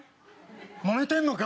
もめてるのか？